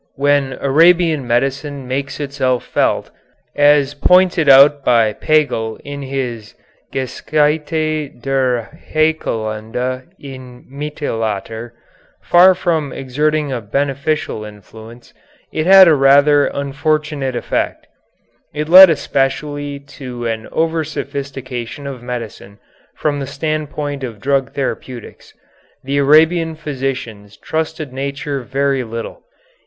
When Arabian medicine makes itself felt, as pointed out by Pagel in his "Geschichte der Heilkunde im Mittelalter," far from exerting a beneficial influence, it had a rather unfortunate effect. It led especially to an oversophistication of medicine from the standpoint of drug therapeutics. The Arabian physicians trusted nature very little.